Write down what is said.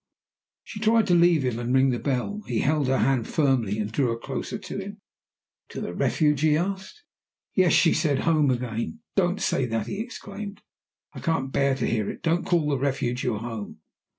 She tried to leave him, and ring the bell. He held her hand firmly, and drew her closer to him. "To the Refuge?" he asked. "Yes," she said. "Home again!" "Don't say that!" he exclaimed. "I can't bear to hear it. Don't call the Refuge your home!"